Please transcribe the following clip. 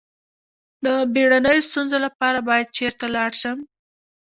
د بیړنیو ستونزو لپاره باید چیرته لاړ شم؟